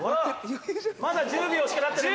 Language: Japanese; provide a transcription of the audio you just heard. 「まだ１０秒しか経ってない」